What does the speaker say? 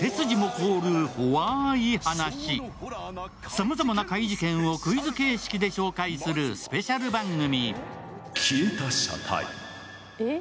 さまざまな怪事件をクイズ形式で紹介するスペシャル番組。